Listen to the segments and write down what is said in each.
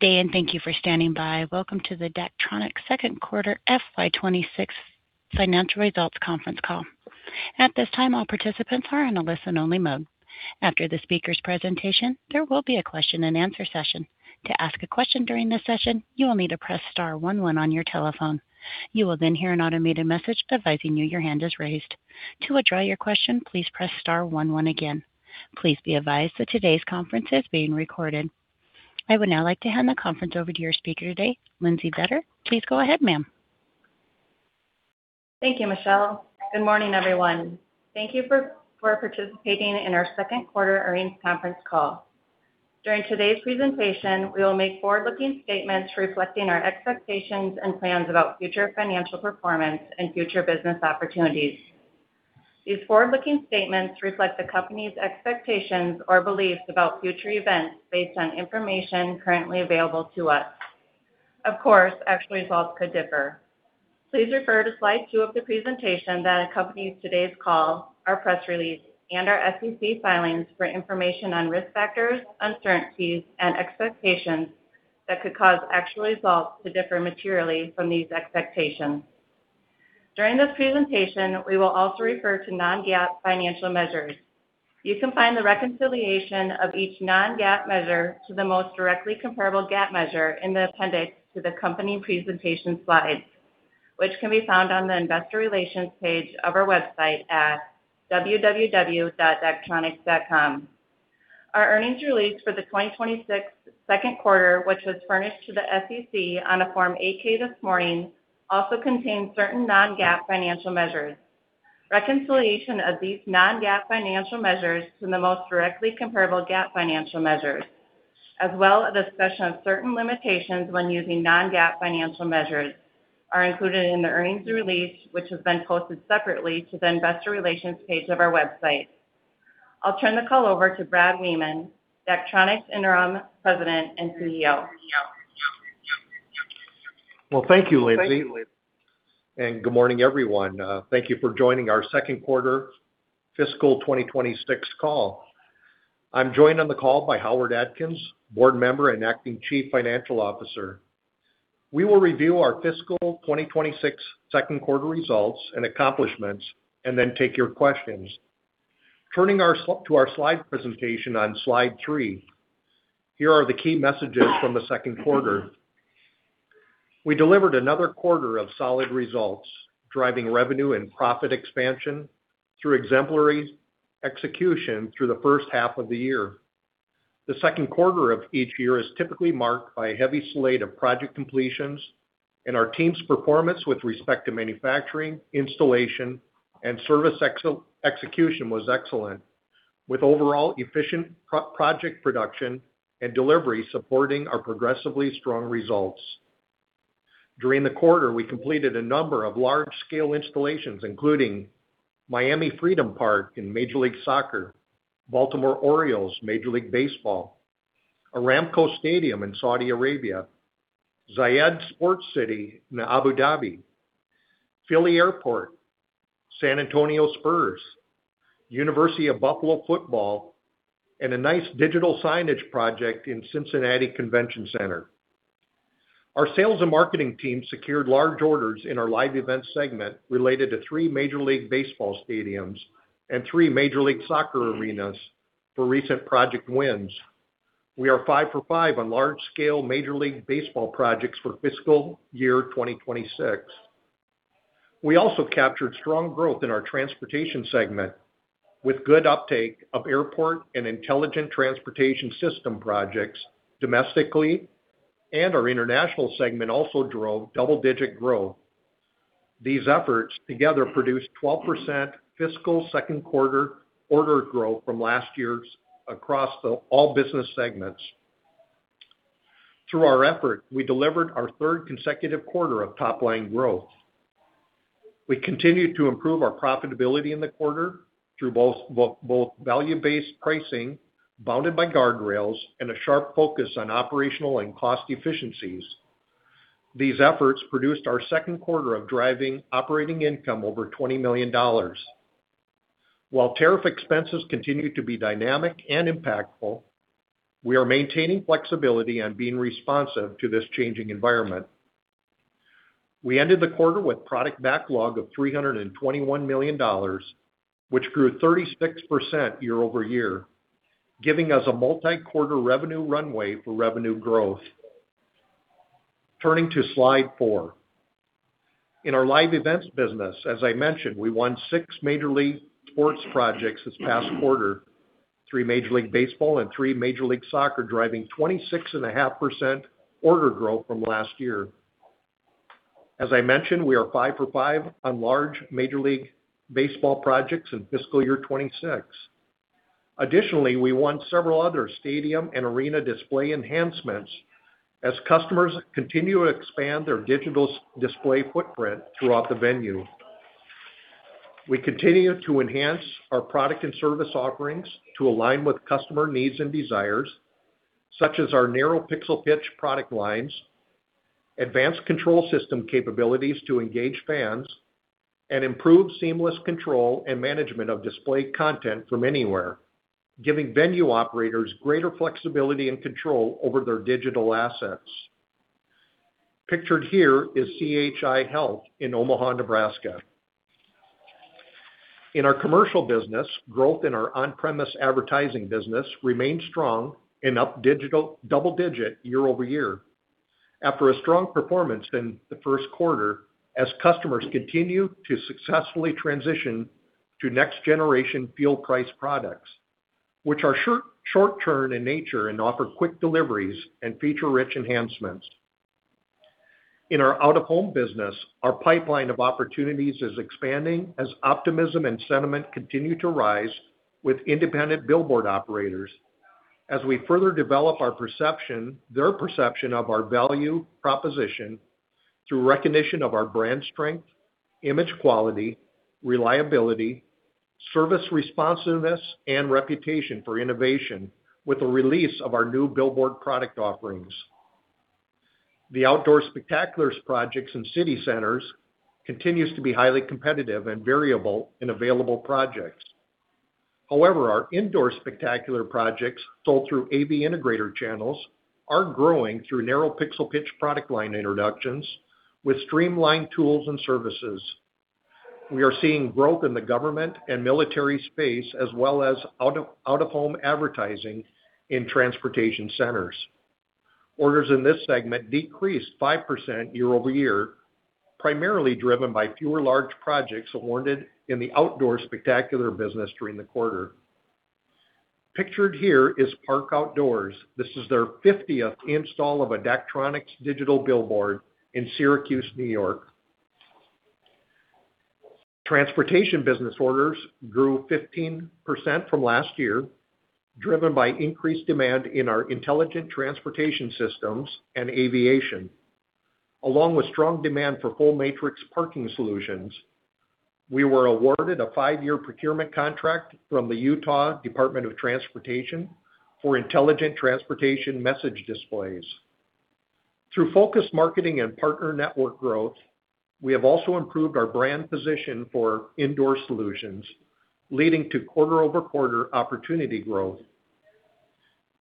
Good day, and thank you for standing by. Welcome to the Daktronics second quarter FY26 financial results conference call. At this time, all participants are in a listen-only mode. After the speaker's presentation, there will be a question-and-answer session. To ask a question during this session, you will need to press star 11 on your telephone. You will then hear an automated message advising you your hand is raised. To withdraw your question, please press star 11 again. Please be advised that today's conference is being recorded. I would now like to hand the conference over to your speaker today, Lindsey Vetter. Please go ahead, ma'am. Thank you, Michelle. Good morning, everyone. Thank you for participating in our second quarter earnings conference call. During today's presentation, we will make forward-looking statements reflecting our expectations and plans about future financial performance and future business opportunities. These forward-looking statements reflect the company's expectations or beliefs about future events based on information currently available to us. Of course, actual results could differ. Please refer to slide two of the presentation that accompanies today's call, our press release, and our SEC filings for information on risk factors, uncertainties, and expectations that could cause actual results to differ materially from these expectations. During this presentation, we will also refer to non-GAAP financial measures. You can find the reconciliation of each non-GAAP measure to the most directly comparable GAAP measure in the appendix to the company presentation slides, which can be found on the investor relations page of our website at www.daktronics.com. Our earnings release for the 2026 second quarter, which was furnished to the SEC on a Form 8-K this morning, also contains certain non-GAAP financial measures. Reconciliation of these non-GAAP financial measures to the most directly comparable GAAP financial measures, as well as discussion of certain limitations when using non-GAAP financial measures, are included in the earnings release, which has been posted separately to the investor relations page of our website. I'll turn the call over to Brad Wiemann, Daktronics Interim President and CEO. Well, thank you, Lindsey. Thank you, Lindsey. Good morning, everyone. Thank you for joining our second quarter fiscal 2026 call. I'm joined on the call by Howard Atkins, Board member and Acting Chief Financial Officer. We will review our fiscal 2026 second quarter results and accomplishments and then take your questions. Turning to our slide presentation on slide three, here are the key messages from the second quarter. We delivered another quarter of solid results, driving revenue and profit expansion through exemplary execution through the first half of the year. The second quarter of each year is typically marked by a heavy slate of project completions, and our team's performance with respect to manufacturing, installation, and service execution was excellent, with overall efficient project production and delivery supporting our progressively strong results. During the quarter, we completed a number of large-scale installations, including Miami Freedom Park in Major League Soccer, Baltimore Orioles Major League Baseball, Aramco Stadium in Saudi Arabia, Zayed Sports City in Abu Dhabi, Philly Airport, San Antonio Spurs, University at Buffalo football, and a nice digital signage project in Cincinnati Convention Center. Our sales and marketing team secured large orders in our Live events segment related to three Major League Baseball stadiums and three Major League Soccer arenas for recent project wins. We are five for five on large-scale Major League Baseball projects for fiscal year 2026. We also captured strong growth in our Transportation segment, with good uptake of airport and intelligent transportation system projects domestically, and our International segment also drove double-digit growth. These efforts together produced 12% fiscal second quarter order growth from last year's across all business segments. Through our effort, we delivered our third consecutive quarter of top-line growth. We continued to improve our profitability in the quarter through both value-based pricing bounded by guardrails and a sharp focus on operational and cost efficiencies. These efforts produced our second quarter of driving operating income over $20 million. While tariff expenses continue to be dynamic and impactful, we are maintaining flexibility and being responsive to this changing environment. We ended the quarter with a product backlog of $321 million, which grew 36% year over year, giving us a multi-quarter revenue runway for revenue growth. Turning to slide four, in our live events business, as I mentioned, we won six major league sports projects this past quarter, three Major League Baseball and three Major League Soccer, driving 26.5% order growth from last year. As I mentioned, we are five for five on large Major League Baseball projects in fiscal year 2026. Additionally, we won several other stadium and arena display enhancements as customers continue to expand their digital display footprint throughout the venue. We continue to enhance our product and service offerings to align with customer needs and desires, such as our narrow pixel pitch product lines, advanced control system capabilities to engage fans, and improved seamless control and management of display content from anywhere, giving venue operators greater flexibility and control over their digital assets. Pictured here is CHI Health Center Omaha. In our Commercial business, growth in our on-premise advertising business remained strong and up double-digit year over year after a strong performance in the first quarter as customers continue to successfully transition to next-generation fuel price products, which are short-term in nature and offer quick deliveries and feature-rich enhancements. In our out-of-home business, our pipeline of opportunities is expanding as optimism and sentiment continue to rise with independent billboard operators as we further develop their perception of our value proposition through recognition of our brand strength, image quality, reliability, service responsiveness, and reputation for innovation with the release of our new billboard product offerings. The outdoor spectaculars projects in city centers continue to be highly competitive and variable in available projects. However, our indoor spectacular projects sold through AV Integrator channels are growing through narrow pixel pitch product line introductions with streamlined tools and services. We are seeing growth in the government and military space, as well as out-of-home advertising in transportation centers. Orders in this segment decreased 5% year over year, primarily driven by fewer large projects awarded in the outdoor spectacular business during the quarter. Pictured here is Park Outdoors. This is their 50th install of a Daktronics digital billboard in Syracuse, New York. Transportation business orders grew 15% from last year, driven by increased demand in our intelligent transportation systems and aviation. Along with strong demand for full matrix parking solutions, we were awarded a five-year procurement contract from the Utah Department of Transportation for intelligent transportation message displays. Through focused marketing and partner network growth, we have also improved our brand position for indoor solutions, leading to quarter-over-quarter opportunity growth.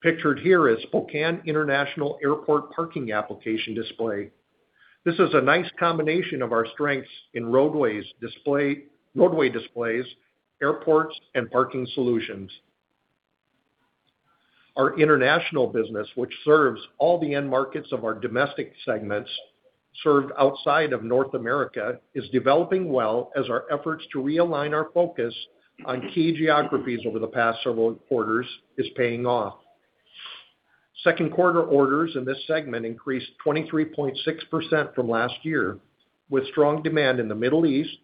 Pictured here is Spokane International Airport parking application display. This is a nice combination of our strengths in roadway displays, airports, and parking solutions. Our International business, which serves all the end markets of our domestic segments served outside of North America, is developing well as our efforts to realign our focus on key geographies over the past several quarters are paying off. Second quarter orders in this segment increased 23.6% from last year, with strong demand in the Middle East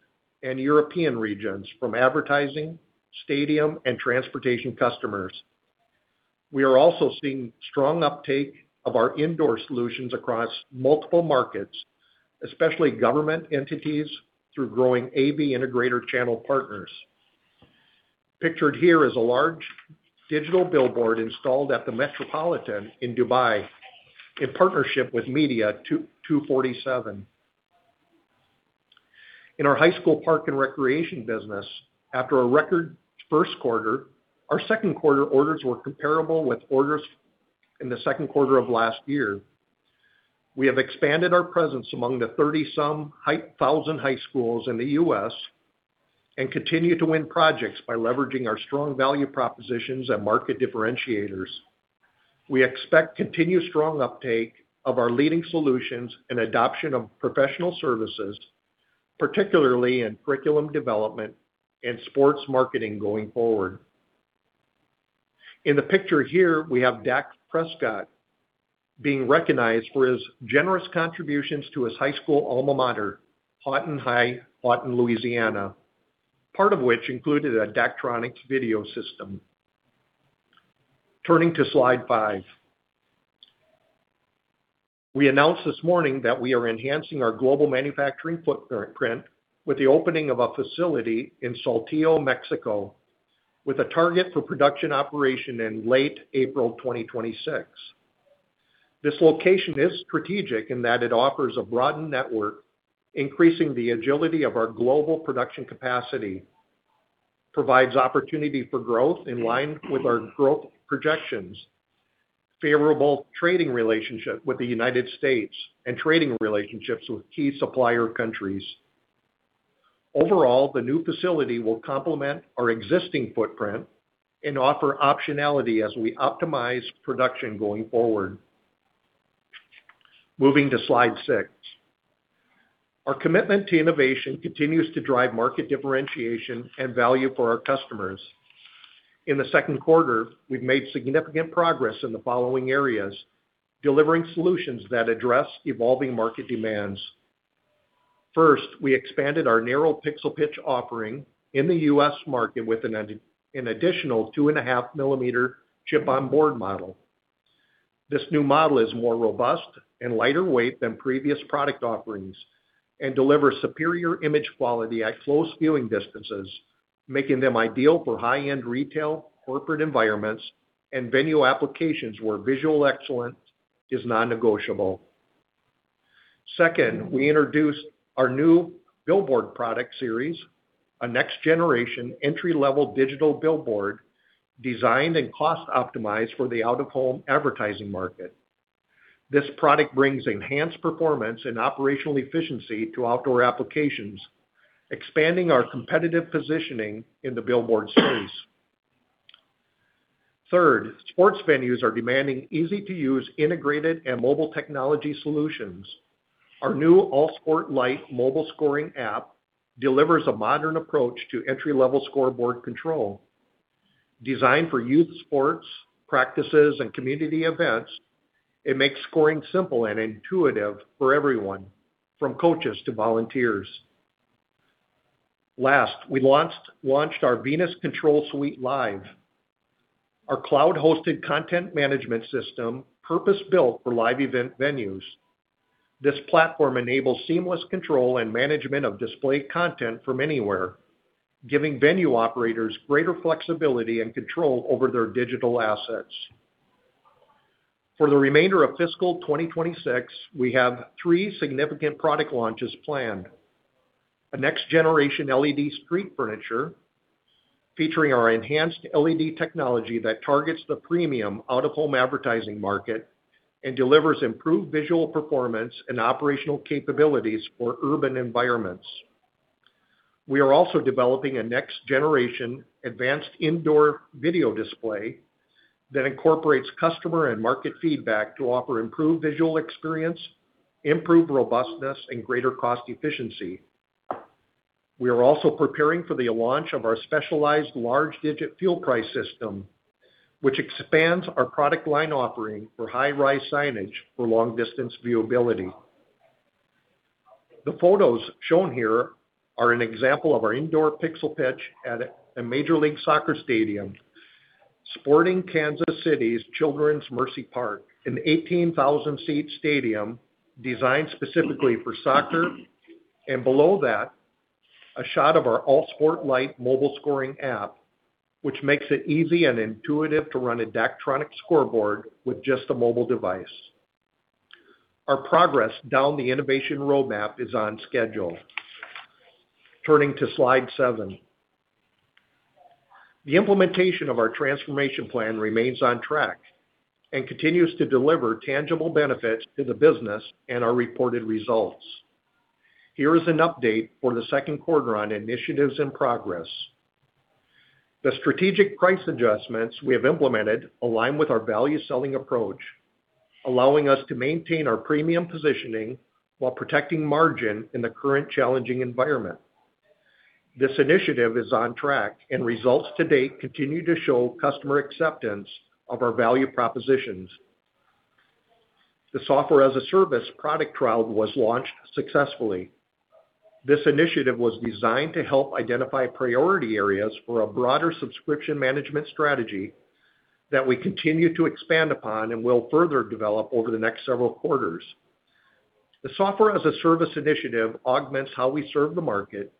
and European regions from advertising, stadium, and transportation customers. We are also seeing strong uptake of our indoor solutions across multiple markets, especially government entities, through growing AV integrator channel partners. Pictured here is a large digital billboard installed at The Metropolitan in Dubai in partnership with Media 24/7. In our High School Park and Recreation business, after a record first quarter, our second quarter orders were comparable with orders in the second quarter of last year. We have expanded our presence among the 30-some thousand high schools in the U.S. and continue to win projects by leveraging our strong value propositions and market differentiators. We expect continued strong uptake of our leading solutions and adoption of professional services, particularly in curriculum development and sports marketing going forward. In the picture here, we have Dak Prescott being recognized for his generous contributions to his high school alma mater, Haughton High, Haughton, Louisiana, part of which included a Daktronics video system. Turning to slide five, we announced this morning that we are enhancing our global manufacturing footprint with the opening of a facility in Saltillo, Mexico, with a target for production operation in late April 2026. This location is strategic in that it offers a broadened network, increasing the agility of our global production capacity, provides opportunity for growth in line with our growth projections, favorable trading relationships with the United States, and trading relationships with key supplier countries. Overall, the new facility will complement our existing footprint and offer optionality as we optimize production going forward. Moving to slide six, our commitment to innovation continues to drive market differentiation and value for our customers. In the second quarter, we've made significant progress in the following areas, delivering solutions that address evolving market demands. First, we expanded our narrow pixel pitch offering in the U.S. market with an additional 2.5-millimeter chip-on-board model. This new model is more robust and lighter weight than previous product offerings and delivers superior image quality at close viewing distances, making them ideal for high-end retail, corporate environments, and venue applications where visual excellence is non-negotiable. Second, we introduced our new billboard product series, a next-generation entry-level digital billboard designed and cost-optimized for the out-of-home advertising market. This product brings enhanced performance and operational efficiency to outdoor applications, expanding our competitive positioning in the billboard space. Third, sports venues are demanding easy-to-use integrated and mobile technology solutions. Our new All Sport Lite mobile scoring app delivers a modern approach to entry-level scoreboard control. Designed for youth sports practices and community events, it makes scoring simple and intuitive for everyone, from coaches to volunteers. Last, we launched our Venus Control Suite Live, our cloud-hosted content management system purpose-built for live event venues. This platform enables seamless control and management of display content from anywhere, giving venue operators greater flexibility and control over their digital assets. For the remainder of fiscal 2026, we have three significant product launches planned: a next-generation LED street furniture featuring our enhanced LED technology that targets the premium out-of-home advertising market and delivers improved visual performance and operational capabilities for urban environments. We are also developing a next-generation advanced indoor video display that incorporates customer and market feedback to offer improved visual experience, improved robustness, and greater cost efficiency. We are also preparing for the launch of our specialized large-digit fuel price system, which expands our product line offering for high-rise signage for long-distance viewability. The photos shown here are an example of our indoor pixel pitch at a Major League Soccer stadium, Sporting Kansas City's Children's Mercy Park, an 18,000-seat stadium designed specifically for soccer, and below that, a shot of our AllSport Lite mobile scoring app, which makes it easy and intuitive to run a Daktronics scoreboard with just a mobile device. Our progress down the innovation roadmap is on schedule. Turning to slide seven, the implementation of our transformation plan remains on track and continues to deliver tangible benefits to the business and our reported results. Here is an update for the second quarter on initiatives in progress. The strategic price adjustments we have implemented align with our value selling approach, allowing us to maintain our premium positioning while protecting margin in the current challenging environment. This initiative is on track, and results to date continue to show customer acceptance of our value propositions. The software as a service product trial was launched successfully. This initiative was designed to help identify priority areas for a broader subscription management strategy that we continue to expand upon and will further develop over the next several quarters. The software as a service initiative augments how we serve the market,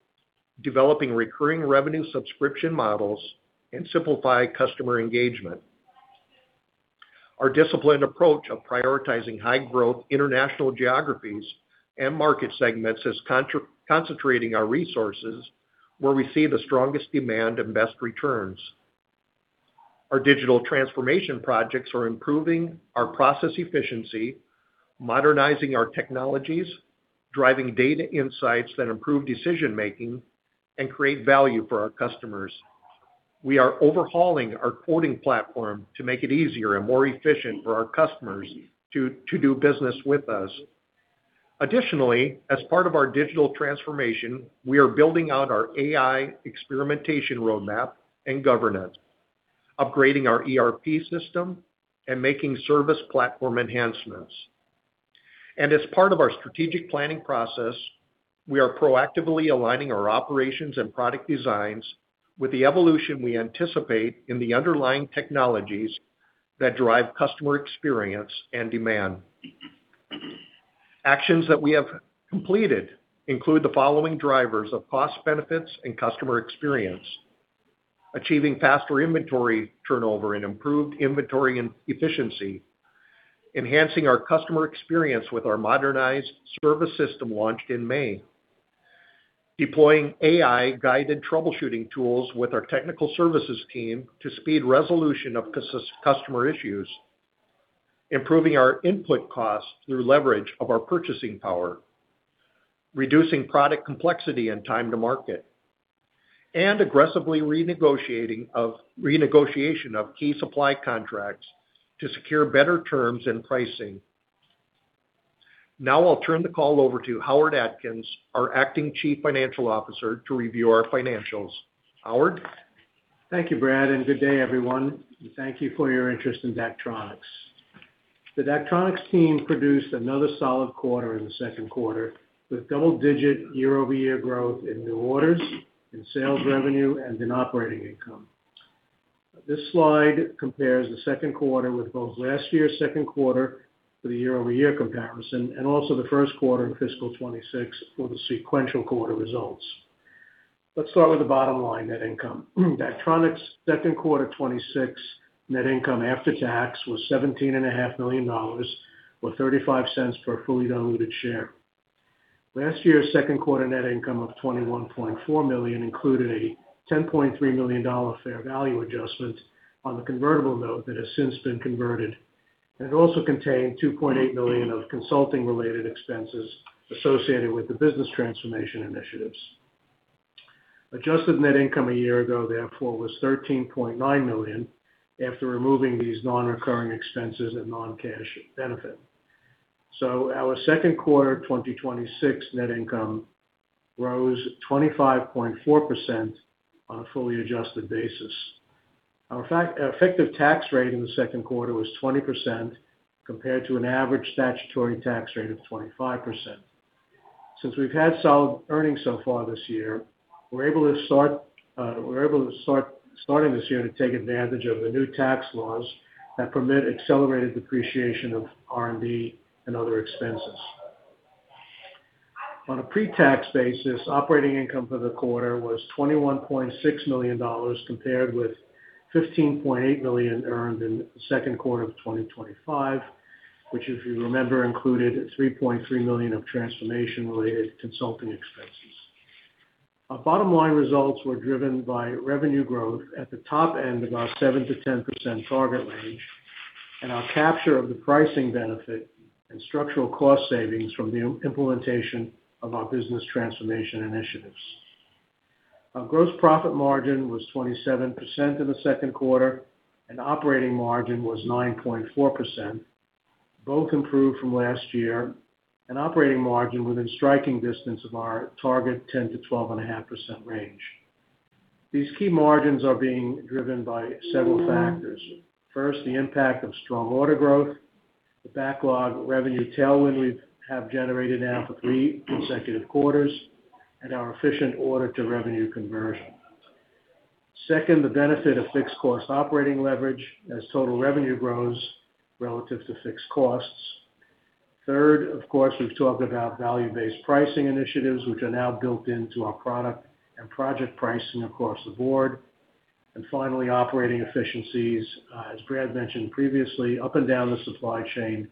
developing recurring revenue subscription models and simplify customer engagement. Our disciplined approach of prioritizing high-growth international geographies and market segments is concentrating our resources where we see the strongest demand and best returns. Our digital transformation projects are improving our process efficiency, modernizing our technologies, driving data insights that improve decision-making and create value for our customers. We are overhauling our quoting platform to make it easier and more efficient for our customers to do business with us. Additionally, as part of our digital transformation, we are building out our AI experimentation roadmap and governance, upgrading our ERP system and making service platform enhancements, and as part of our strategic planning process, we are proactively aligning our operations and product designs with the evolution we anticipate in the underlying technologies that drive customer experience and demand. Actions that we have completed include the following drivers of cost benefits and customer experience: achieving faster inventory turnover and improved inventory efficiency, enhancing our customer experience with our modernized service system launched in May, deploying AI-guided troubleshooting tools with our technical services team to speed resolution of customer issues, improving our input costs through leverage of our purchasing power, reducing product complexity and time to market, and aggressively renegotiation of key supply contracts to secure better terms and pricing. Now I'll turn the call over to Howard Atkins, our Acting Chief Financial Officer, to review our financials. Howard? Thank you, Brad, and good day, everyone. Thank you for your interest in Daktronics. The Daktronics team produced another solid quarter in the second quarter with double-digit year-over-year growth in new orders, in sales revenue, and in operating income. This slide compares the second quarter with both last year's second quarter for the year-over-year comparison and also the first quarter in fiscal 26 for the sequential quarter results. Let's start with the bottom line, net income. Daktronics' second quarter 26 net income after tax was $17.5 million or $0.35 per fully diluted share. Last year's second quarter net income of $21.4 million included a $10.3 million fair value adjustment on the convertible note that has since been converted, and it also contained $2.8 million of consulting-related expenses associated with the business transformation initiatives. Adjusted net income a year ago, therefore, was $13.9 million after removing these non-recurring expenses and non-cash benefit. So our second quarter 2026 net income rose 25.4% on a fully adjusted basis. Our effective tax rate in the second quarter was 20% compared to an average statutory tax rate of 25%. Since we've had solid earnings so far this year, we're able to start this year to take advantage of the new tax laws that permit accelerated depreciation of R&D and other expenses. On a pre-tax basis, operating income for the quarter was $21.6 million compared with $15.8 million earned in the second quarter of 2025, which, if you remember, included $3.3 million of transformation-related consulting expenses. Our bottom line results were driven by revenue growth at the top end of our 7-10% target range and our capture of the pricing benefit and structural cost savings from the implementation of our business transformation initiatives. Our gross profit margin was 27% in the second quarter, and operating margin was 9.4%, both improved from last year, and operating margin within striking distance of our target 10%-12.5% range. These key margins are being driven by several factors. First, the impact of strong order growth, the backlog revenue tailwind we have generated now for three consecutive quarters, and our efficient order-to-revenue conversion. Second, the benefit of fixed-cost operating leverage as total revenue grows relative to fixed costs. Third, of course, we've talked about value-based pricing initiatives, which are now built into our product and project pricing across the board, and finally, operating efficiencies, as Brad mentioned previously, up and down the supply chain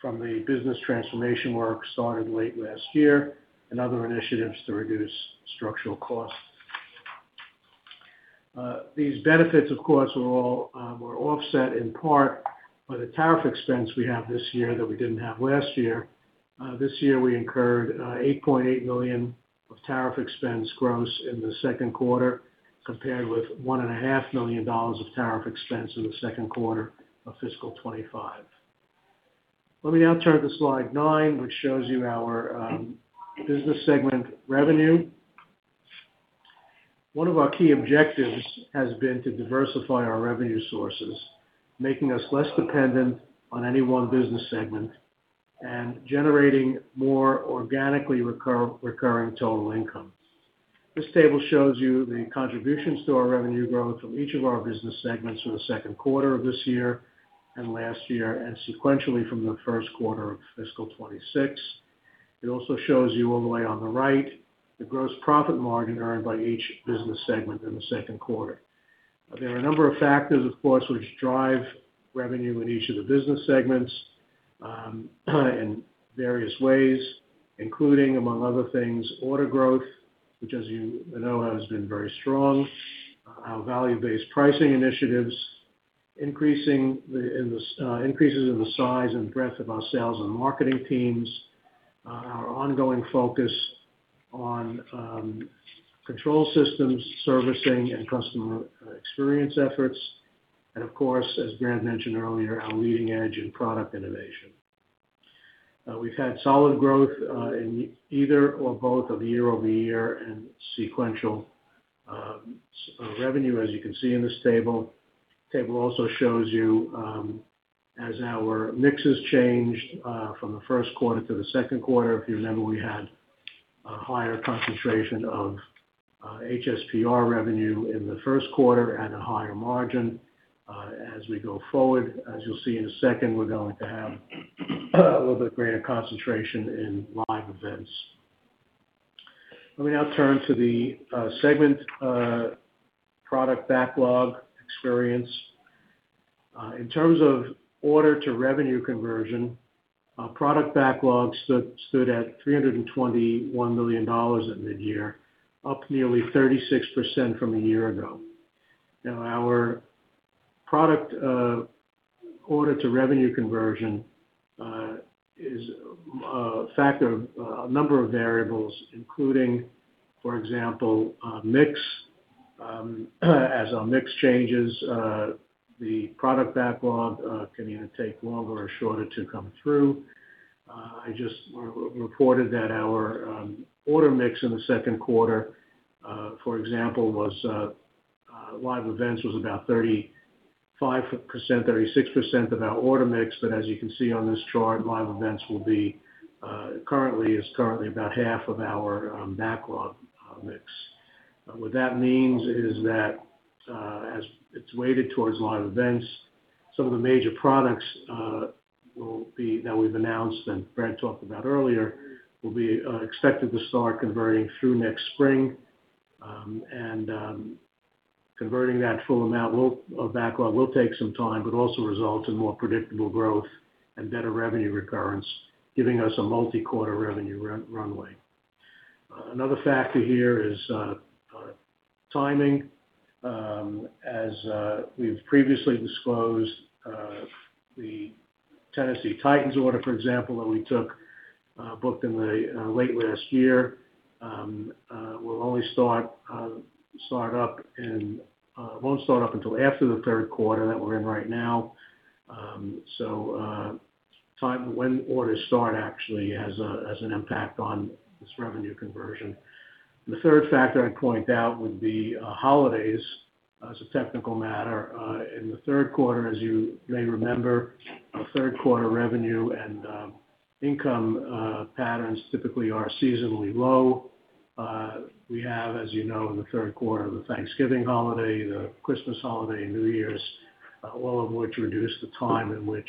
from the business transformation work started late last year and other initiatives to reduce structural costs. These benefits, of course, were all offset in part by the tariff expense we have this year that we didn't have last year. This year, we incurred $8.8 million of tariff expense gross in the second quarter compared with $1.5 million of tariff expense in the second quarter of fiscal 25. Let me now turn to slide nine, which shows you our business segment revenue. One of our key objectives has been to diversify our revenue sources, making us less dependent on any one business segment and generating more organically recurring total income. This table shows you the contributions to our revenue growth from each of our business segments for the second quarter of this year and last year and sequentially from the first quarter of fiscal 26. It also shows you all the way on the right the gross profit margin earned by each business segment in the second quarter. There are a number of factors, of course, which drive revenue in each of the business segments in various ways, including, among other things, order growth, which, as you know, has been very strong, our value-based pricing initiatives, increasing the increases in the size and breadth of our sales and marketing teams, our ongoing focus on control systems, servicing, and customer experience efforts, and, of course, as Brad mentioned earlier, our leading edge in product innovation. We've had solid growth in either or both of year-over-year and sequential revenue, as you can see in this table. The table also shows you how our mixes changed from the first quarter to the second quarter. If you remember, we had a higher concentration of HSPR revenue in the first quarter and a higher margin. As we go forward, as you'll see in a second, we're going to have a little bit greater concentration in live events. Let me now turn to the segment product backlog experience. In terms of order-to-revenue conversion, our product backlog stood at $321 million at mid-year, up nearly 36% from a year ago. Now, our product order-to-revenue conversion is a factor of a number of variables, including, for example, mix as our mix changes. The product backlog can either take longer or shorter to come through. I just reported that our order mix in the second quarter, for example, was live events about 35%-36% of our order mix. But as you can see on this chart, live events is currently about half of our backlog mix. What that means is that as it's weighted towards live events, some of the major products will be that we've announced and Brad talked about earlier will be expected to start converting through next spring. Converting that full amount of backlog will take some time but also result in more predictable growth and better revenue recurrence, giving us a multi-quarter revenue runway. Another factor here is timing. As we've previously disclosed, the Tennessee Titans order, for example, that we booked in late last year will only won't start up until after the third quarter that we're in right now. So when orders start actually has an impact on this revenue conversion. The third factor I'd point out would be holidays as a technical matter. In the third quarter, as you may remember, our third quarter revenue and income patterns typically are seasonally low. We have, as you know, in the third quarter, the Thanksgiving holiday, the Christmas holiday, New Year's, all of which reduce the time in which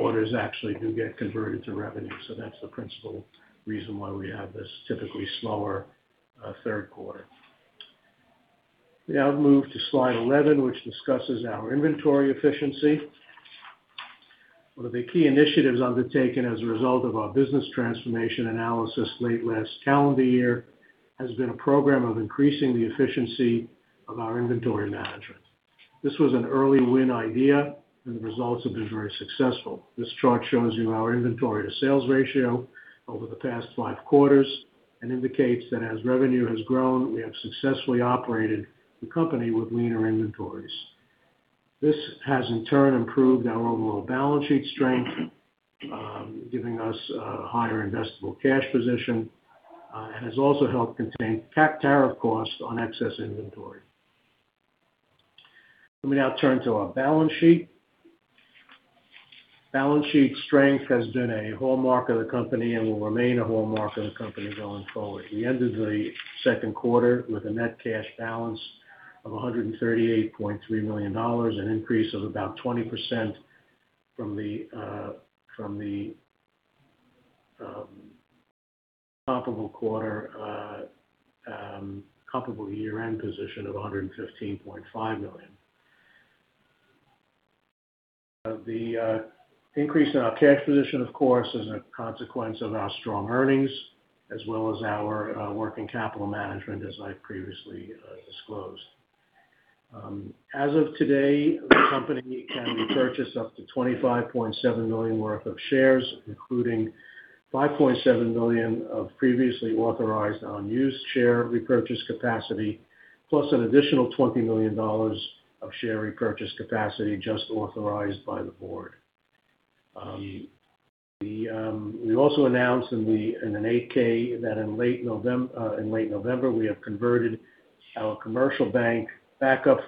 orders actually do get converted to revenue. So that's the principal reason why we have this typically slower third quarter. We have moved to slide 11, which discusses our inventory efficiency. One of the key initiatives undertaken as a result of our business transformation analysis late last calendar year has been a program of increasing the efficiency of our inventory management. This was an early win idea, and the results have been very successful. This chart shows you our inventory to sales ratio over the past five quarters and indicates that as revenue has grown, we have successfully operated the company with leaner inventories. This has, in turn, improved our overall balance sheet strength, giving us a higher investable cash position and has also helped contain tax tariff costs on excess inventory. Let me now turn to our balance sheet. Balance sheet strength has been a hallmark of the company and will remain a hallmark of the company going forward. We ended the second quarter with a net cash balance of $138.3 million, an increase of about 20% from the comparable quarter comparable year-end position of $115.5 million. The increase in our cash position, of course, is a consequence of our strong earnings as well as our working capital management, as I previously disclosed. As of today, the company can repurchase up to $25.7 million worth of shares, including $5.7 million of previously authorized unused share repurchase capacity, plus an additional $20 million of share repurchase capacity just authorized by the board. We also announced in an 8-K that in late November, we have converted our commercial bank backup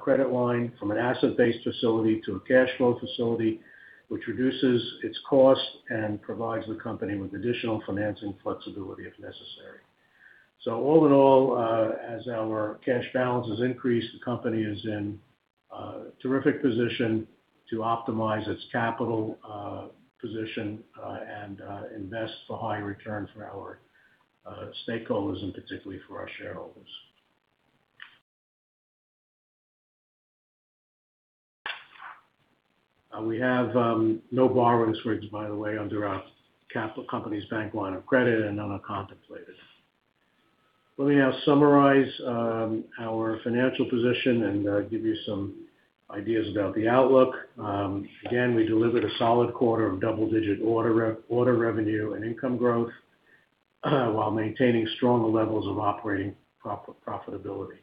credit line from an asset-based facility to a cash flow facility, which reduces its cost and provides the company with additional financing flexibility if necessary. So all in all, as our cash balance has increased, the company is in a terrific position to optimize its capital position and invest for high return for our stakeholders and particularly for our shareholders. We have no borrowings, by the way, under our company's bank line of credit and none are contemplated. Let me now summarize our financial position and give you some ideas about the outlook. Again, we delivered a solid quarter of double-digit order revenue and income growth while maintaining strong levels of operating profitability.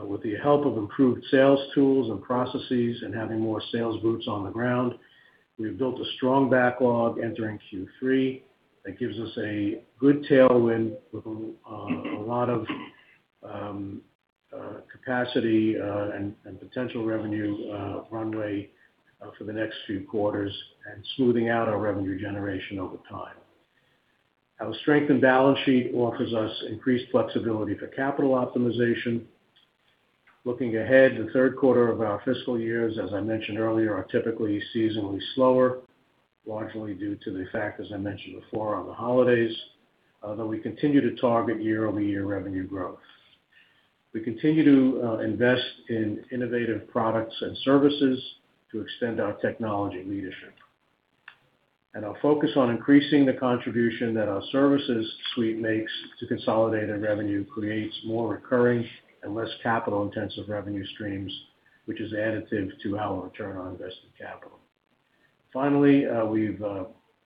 With the help of improved sales tools and processes and having more sales boots on the ground, we've built a strong backlog entering Q3 that gives us a good tailwind with a lot of capacity and potential revenue runway for the next few quarters and smoothing out our revenue generation over time. Our strength and balance sheet offers us increased flexibility for capital optimization. Looking ahead, the third quarter of our fiscal years, as I mentioned earlier, are typically seasonally slower, largely due to the fact, as I mentioned before, on the holidays, although we continue to target year-over-year revenue growth. We continue to invest in innovative products and services to extend our technology leadership, and our focus on increasing the contribution that our services suite makes to consolidated revenue creates more recurring and less capital-intensive revenue streams, which is additive to our return on invested capital. Finally, we've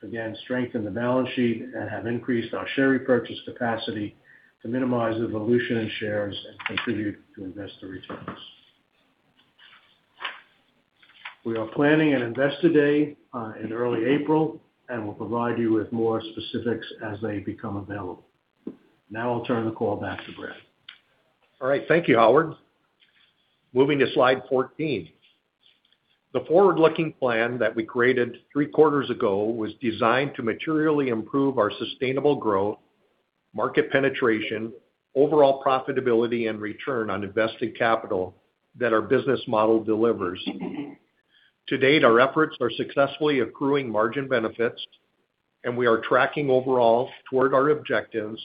again strengthened the balance sheet and have increased our share repurchase capacity to minimize dilution in shares and contribute to investor returns. We are planning an investor day in early April and will provide you with more specifics as they become available. Now I'll turn the call back to Brad. All right. Thank you, Howard. Moving to slide 14. The forward-looking plan that we created three quarters ago was designed to materially improve our sustainable growth, market penetration, overall profitability, and return on invested capital that our business model delivers. To date, our efforts are successfully accruing margin benefits, and we are tracking overall toward our objectives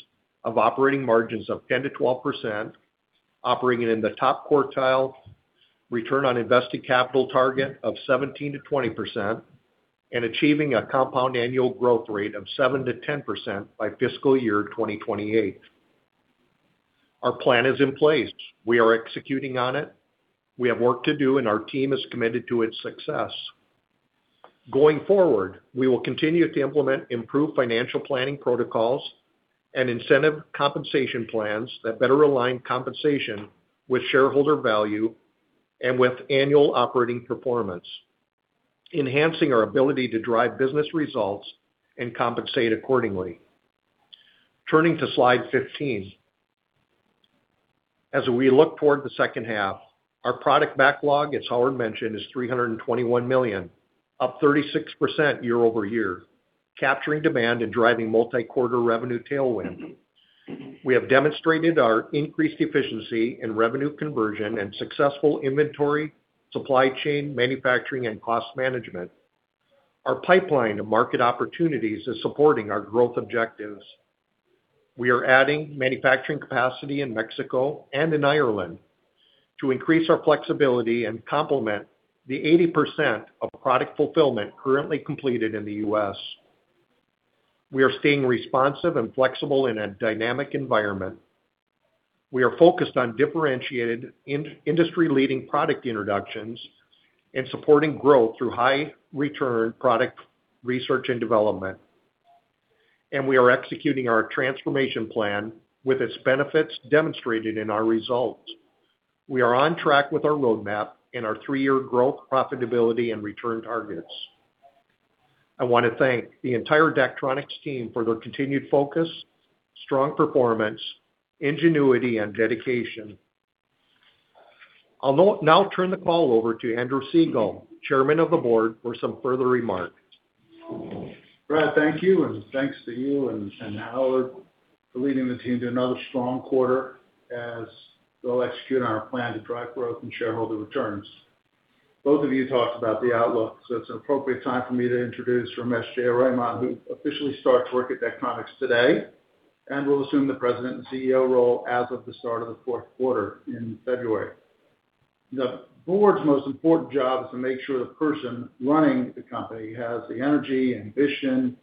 of operating margins of 10%-12%, operating in the top quartile, return on invested capital target of 17%-20%, and achieving a compound annual growth rate of 7%-10% by fiscal year 2028. Our plan is in place. We are executing on it. We have work to do, and our team is committed to its success. Going forward, we will continue to implement improved financial planning protocols and incentive compensation plans that better align compensation with shareholder value and with annual operating performance, enhancing our ability to drive business results and compensate accordingly. Turning to slide 15. As we look toward the second half, our product backlog, as Howard mentioned, is $321 million, up 36% year-over-year, capturing demand and driving multi-quarter revenue tailwind. We have demonstrated our increased efficiency in revenue conversion and successful inventory, supply chain, manufacturing, and cost management. Our pipeline of market opportunities is supporting our growth objectives. We are adding manufacturing capacity in Mexico and in Ireland to increase our flexibility and complement the 80% of product fulfillment currently completed in the U.S. We are staying responsive and flexible in a dynamic environment. We are focused on differentiated industry-leading product introductions and supporting growth through high-return product research and development. And we are executing our transformation plan with its benefits demonstrated in our results. We are on track with our roadmap and our three-year growth, profitability, and return targets. I want to thank the entire Daktronics team for their continued focus, strong performance, ingenuity, and dedication. I'll now turn the call over to Andrew Siegel, Chairman of the Board, for some further remarks. Brad, thank you. And thanks to you and Howard for leading the team to another strong quarter as we'll execute on our plan to drive growth and shareholder returns. Both of you talked about the outlook, so it's an appropriate time for me to introduce Ramesh Jayaraman. Ramesh, who officially starts work at Daktronics today and will assume the president and CEO role as of the start of the fourth quarter in February. The board's most important job is to make sure the person running the company has the energy, ambition,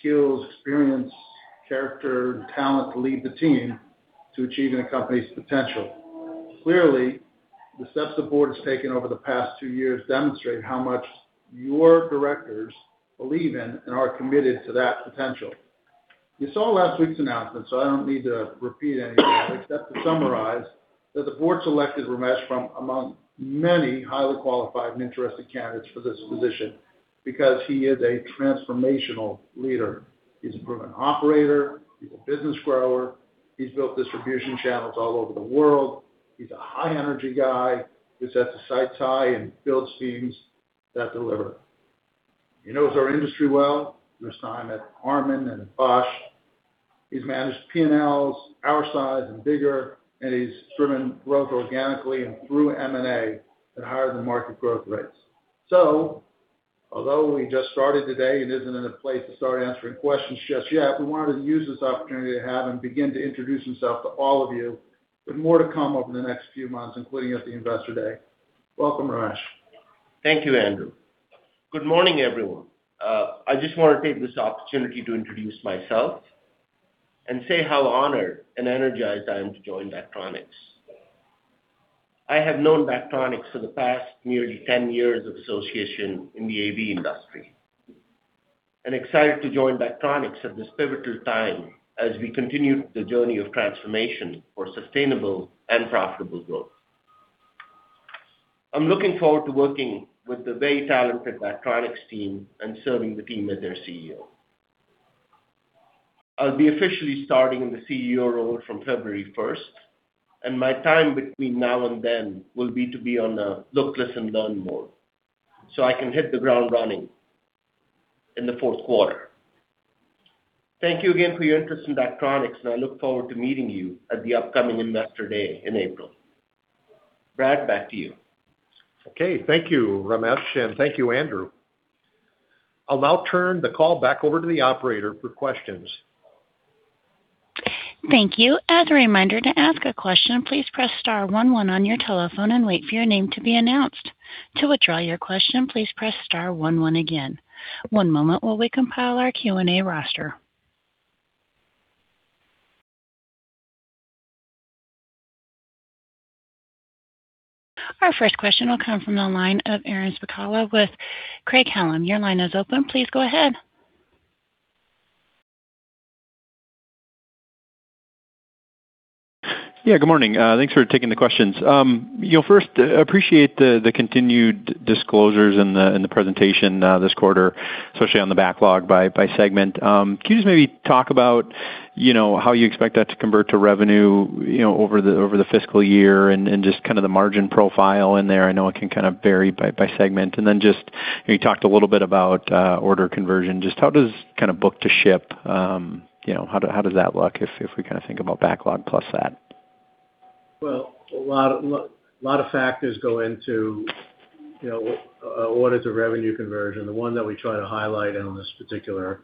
skills, experience, character, and talent to lead the team to achieving a company's potential. Clearly, the steps the board has taken over the past two years demonstrate how much your directors believe in and are committed to that potential. You saw last week's announcement, so I don't need to repeat anything, except to summarize that the board selected Ramesh from among many highly qualified and interested candidates for this position because he is a transformational leader. He's a proven operator. He's a business grower. He's built distribution channels all over the world. He's a high-energy guy who sets his sights high and builds teams that deliver. He knows our industry well. He spent time at Harman and Bosch. He's managed P&Ls our size and bigger, and he's driven growth organically and through M&A at higher-than-market growth rates. Although he just started today and isn't in a place to start answering questions just yet, we wanted to use this opportunity to have him begin to introduce himself to all of you. There's more to come over the next few months, including at the investor day. Welcome, Ramesh. Thank you, Andrew. Good morning, everyone. I just want to take this opportunity to introduce myself and say how honored and energized I am to join Daktronics. I have known Daktronics for the past nearly 10 years of association in the AV industry and I'm excited to join Daktronics at this pivotal time as we continue the journey of transformation for sustainable and profitable growth. I'm looking forward to working with the very talented Daktronics team and serving the team as their CEO. I'll be officially starting in the CEO role from February 1st, and my time between now and then will be to be on a look, listen, learn mode so I can hit the ground running in the fourth quarter. Thank you again for your interest in Daktronics, and I look forward to meeting you at the upcoming investor day in April. Brad, back to you. Okay. Thank you, Ramesh, and thank you, Andrew. I'll now turn the call back over to the operator for questions. Thank you. As a reminder, to ask a question, please press star 11 on your telephone and wait for your name to be announced. To withdraw your question, please press star 11 again. One moment while we compile our Q&A roster. Our first question will come from the line of Aaron Spychalla with Craig-Hallum. Your line is open. Please go ahead. Yeah. Good morning. Thanks for taking the questions. First, I appreciate the continued disclosures in the presentation this quarter, especially on the backlog by segment. Can you just maybe talk about how you expect that to convert to revenue over the fiscal year and just kind of the margin profile in there? I know it can kind of vary by segment. And then just you talked a little bit about order conversion. Just how does kind of book to ship, how does that look if we kind of think about backlog plus that? Well, a lot of factors go into orders of revenue conversion. The one that we try to highlight on this particular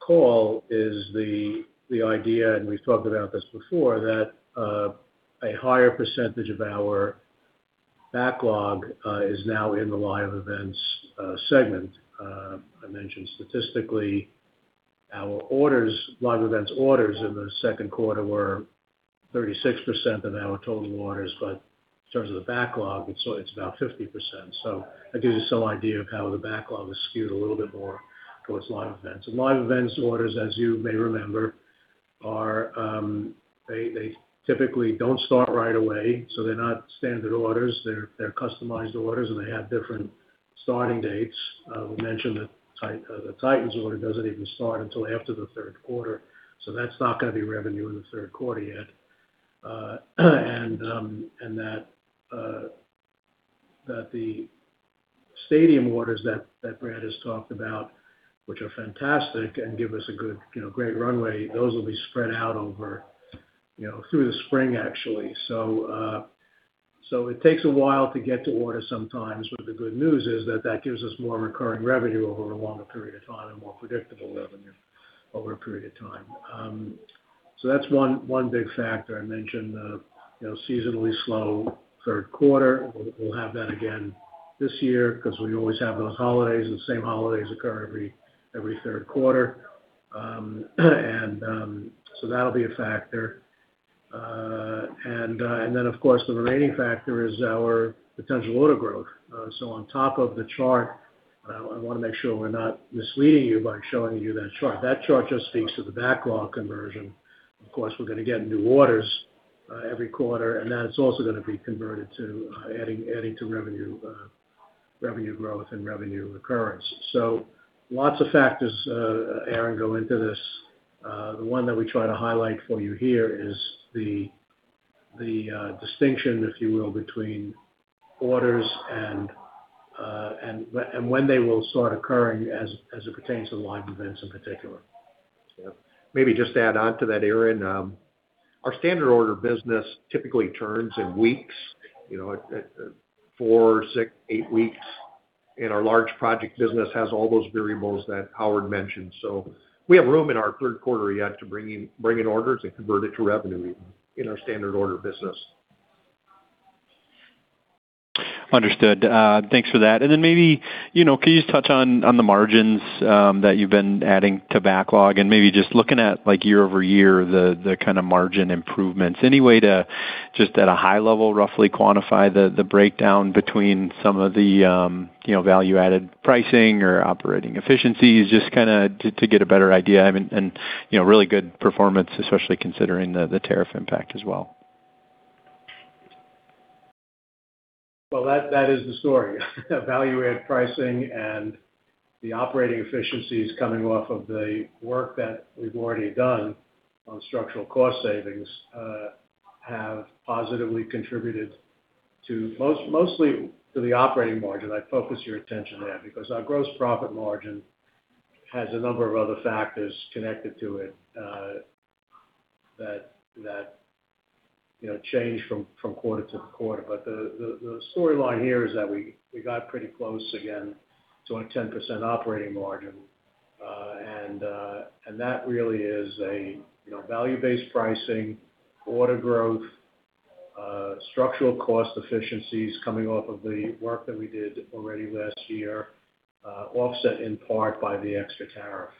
call is the idea, and we've talked about this before, that a higher percentage of our backlog is now in the live events segment. I mentioned statistically our live events orders in the second quarter were 36% of our total orders, but in terms of the backlog, it's about 50%, so that gives you some idea of how the backlog is skewed a little bit more towards live events, and live events orders, as you may remember, they typically don't start right away, so they're not standard orders. They're customized orders, and they have different starting dates. We mentioned that the Titans order doesn't even start until after the third quarter, so that's not going to be revenue in the third quarter yet. And that the stadium orders that Brad has talked about, which are fantastic and give us a great runway, those will be spread out through the spring, actually. So it takes a while to get to order sometimes, but the good news is that that gives us more recurring revenue over a longer period of time and more predictable revenue over a period of time. So that's one big factor. I mentioned the seasonally slow third quarter. We'll have that again this year because we always have those holidays, and the same holidays occur every third quarter. And so that'll be a factor. And then, of course, the remaining factor is our potential order growth. So on top of the chart, I want to make sure we're not misleading you by showing you that chart. That chart just speaks to the backlog conversion. Of course, we're going to get new orders every quarter, and that's also going to be converted to adding to revenue growth and revenue recurrence. So lots of factors, Aaron, go into this. The one that we try to highlight for you here is the distinction, if you will, between orders and when they will start occurring as it pertains to the live events in particular. Maybe just to add on to that, Aaron, our standard order business typically turns in weeks, four, six, eight weeks. And our large project business has all those variables that Howard mentioned. So we have room in our third quarter yet to bring in orders and convert it to revenue in our standard order business. Understood. Thanks for that. And then maybe can you just touch on the margins that you've been adding to backlog and maybe just looking at year-over-year the kind of margin improvements? Any way to just, at a high level, roughly quantify the breakdown between some of the value-added pricing or operating efficiencies, just kind of to get a better idea and really good performance, especially considering the tariff impact as well? Well, that is the story. Value-added pricing and the operating efficiencies coming off of the work that we've already done on structural cost savings have positively contributed to mostly to the operating margin. I focus your attention there because our gross profit margin has a number of other factors connected to it that change from quarter to quarter. But the storyline here is that we got pretty close again to a 10% operating margin, and that really is a value-based pricing, order growth, structural cost efficiencies coming off of the work that we did already last year, offset in part by the extra tariff.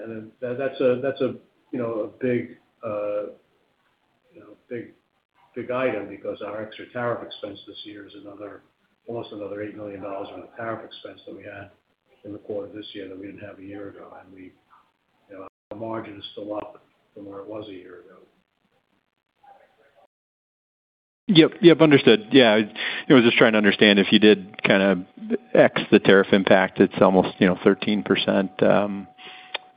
And that's a big item because our extra tariff expense this year is almost another $8 million worth of tariff expense that we had in the quarter this year that we didn't have a year ago, and our margin is still up from where it was a year ago. Yep. Yep. Understood. Yeah. I was just trying to understand if you did kind of ex the tariff impact, it's almost 13%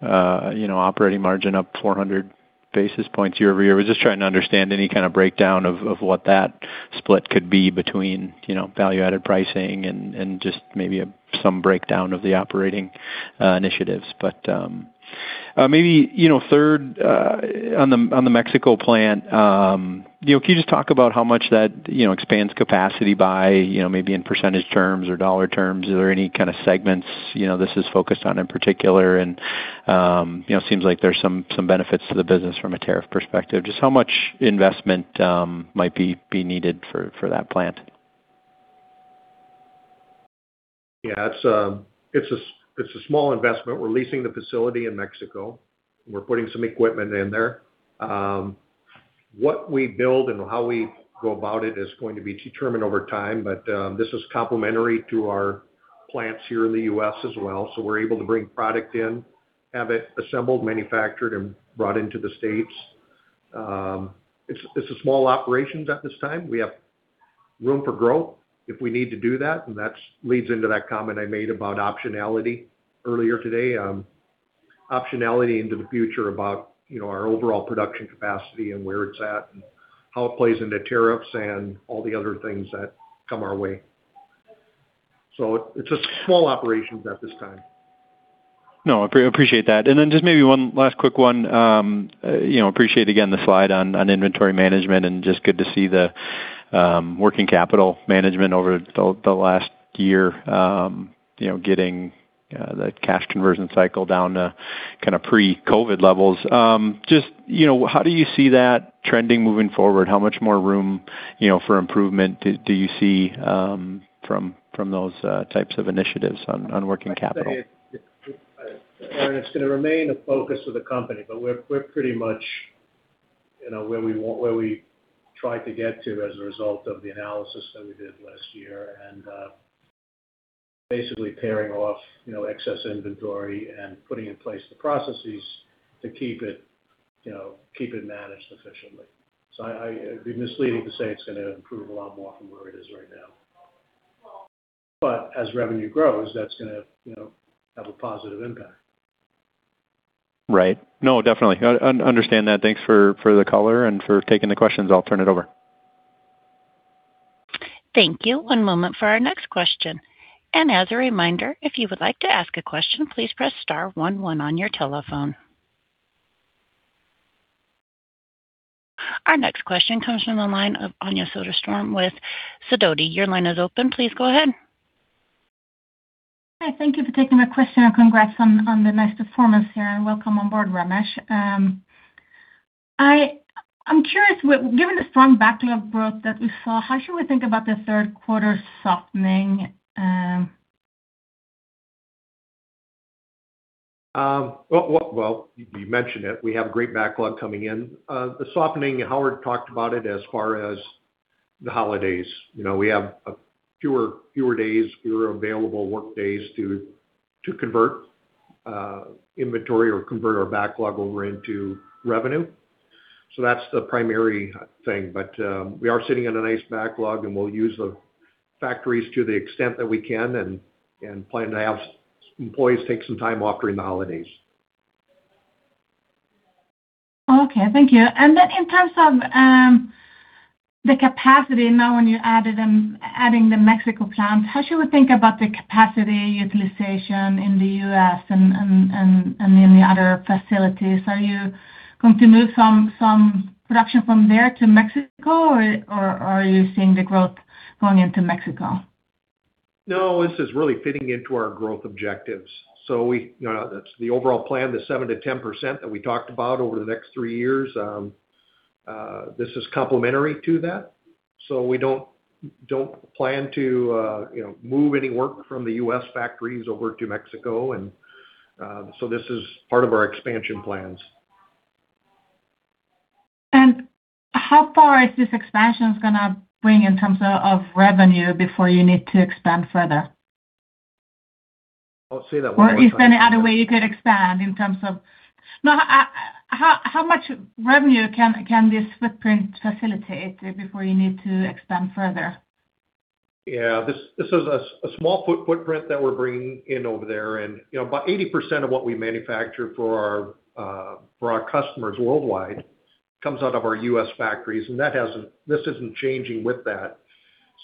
operating margin up 400 basis points year-over-year. I was just trying to understand any kind of breakdown of what that split could be between value-added pricing and just maybe some breakdown of the operating initiatives. But maybe third, on the Mexico plant, can you just talk about how much that expands capacity by maybe in percentage terms or dollar terms? Are there any kind of segments this is focused on in particular? And it seems like there's some benefits to the business from a tariff perspective. Just how much investment might be needed for that plant? Yeah. It's a small investment. We're leasing the facility in Mexico. We're putting some equipment in there. What we build and how we go about it is going to be determined over time, but this is complementary to our plants here in the U.S. as well. So we're able to bring product in, have it assembled, manufactured, and brought into the States. It's a small operation at this time. We have room for growth if we need to do that, and that leads into that comment I made about optionality earlier today, optionality into the future about our overall production capacity and where it's at and how it plays into tariffs and all the other things that come our way. So it's a small operation at this time. No. I appreciate that. And then just maybe one last quick one. Appreciate again the slide on inventory management and just good to see the working capital management over the last year getting the cash conversion cycle down to kind of pre-COVID levels. Just how do you see that trending moving forward? How much more room for improvement do you see from those types of initiatives on working capital? Aaron, it's going to remain a focus of the company, but we're pretty much where we tried to get to as a result of the analysis that we did last year and basically tearing off excess inventory and putting in place the processes to keep it managed efficiently, so I'd be misleading to say it's going to improve a lot more from where it is right now, but as revenue grows, that's going to have a positive impact. Right. No, definitely. Understand that. Thanks for the color and for taking the questions. I'll turn it over. Thank you. One moment for our next question, and as a reminder, if you would like to ask a question, please press star 11 on your telephone. Our next question comes from the line of Anya Soderstrom with Sidoti. Your line is open. Please go ahead. Hi. Thank you for taking my question. Congrats on the nice performance here, and welcome on board, Ramesh. I'm curious, given the strong backlog growth that we saw, how should we think about the third quarter softening? Well, you mentioned it. We have a great backlog coming in. The softening, Howard talked about it as far as the holidays. We have fewer days, fewer available workdays to convert inventory or convert our backlog over into revenue. So that's the primary thing. But we are sitting in a nice backlog, and we'll use the factories to the extent that we can and plan to have employees take some time off during the holidays. Okay. Thank you. And then in terms of the capacity, now when you're adding the Mexico plant, how should we think about the capacity utilization in the U.S. and in the other facilities? Are you going to move some production from there to Mexico, or are you seeing the growth going into Mexico? No. This is really fitting into our growth objectives. So the overall plan, the 7%-10% that we talked about over the next three years, this is complementary to that. So we don't plan to move any work from the U.S. factories over to Mexico. And so this is part of our expansion plans. And how far is this expansion going to bring in terms of revenue before you need to expand further? I'll say that one more time. Or is there any other way you could expand in terms of how much revenue can this footprint facilitate before you need to expand further? Yeah. This is a small footprint that we're bringing in over there, and about 80% of what we manufacture for our customers worldwide comes out of our U.S. factories, and this isn't changing with that.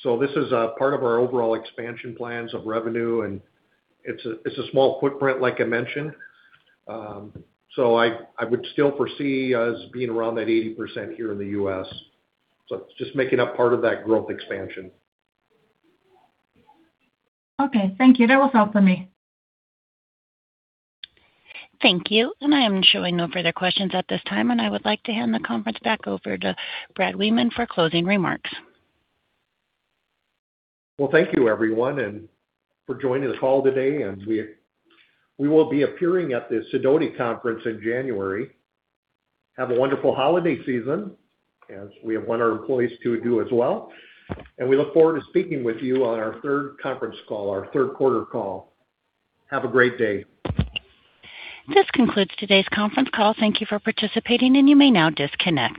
So this is part of our overall expansion plans of revenue, and it's a small footprint, like I mentioned. So I would still foresee us being around that 80% here in the U.S. So it's just making up part of that growth expansion. Okay. Thank you. That was all for me. Thank you. And I am showing no further questions at this time, and I would like to hand the conference back over to Brad Wiemann for closing remarks. Well, thank you, everyone, for joining the call today. And we will be appearing at the Sidoti Conference in January. Have a wonderful holiday season, as we have wanted our employees to do as well. And we look forward to speaking with you on our third conference call, our third quarter call. Have a great day. This concludes today's conference call. Thank you for participating, and you may now disconnect.